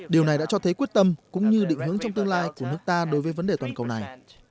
điều này đã cho thấy quyết tâm cũng như định hướng trong tương lai của nước ta đối với vấn đề toàn cầu này